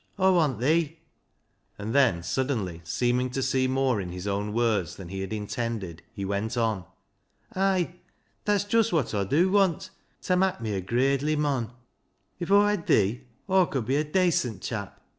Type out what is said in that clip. Aw want thee," and then suddenly seeming to see more in his own words than he had intended, he went on. " Ay, that's just wot Aw dew want, ta mak' me a gradely mon. If Aw hed thee. Aw could be a dacent chap.